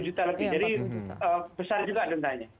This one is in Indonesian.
empat puluh juta lebih jadi besar juga dendanya